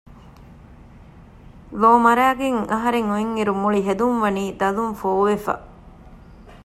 ލޯ މަރައިގެން އަހަރެން އޮތް އިރު މުޅި ހެދުން ވަނީ ދަލުން ފޯ ވެފަ